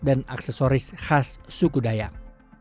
aksesoris khas suku dayak